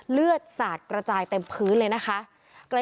เลือดสาดกระจายเต็มพื้นเลยนะคะ